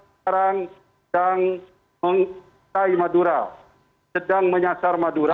apa cadangan dan membuat para aleg unexpected yang terjadi di recala